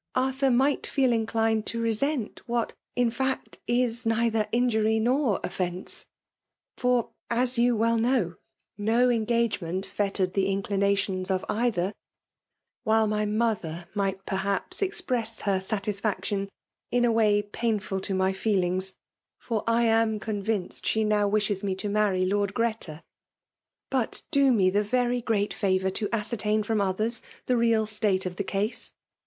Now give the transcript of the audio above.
Artfanr might feel inclined to resent what» in fiu^t» is neither injury nor offence, — for, as you well hnow, no engagement fettered the inclinations of either ; while my mother might perhaps ex press her satisfaction in a way painful to my feelings, for I am convinced she now wishes me to marry Lord Gbeta. But do me the very great favour to ascertain from others the real state of the esse.